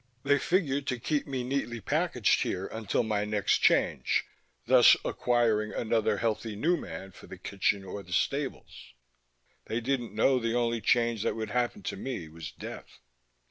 They figured to keep me neatly packaged here until my next Change, thus acquiring another healthy newman for the kitchen or the stables. They didn't know the only Change that would happen to me was death.